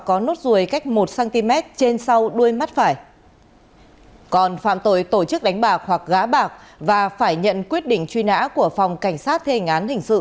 cũng phạm tội đánh bạc và phải nhận quyết định truy nã của phòng cảnh sát thế hành án hình sự